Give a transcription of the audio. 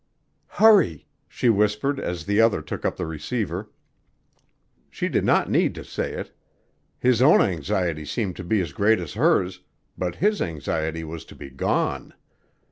"Hurry!" she whispered as the other took up the receiver. She did not need to say it. His own anxiety seemed to be as great as hers, but his anxiety was to be gone.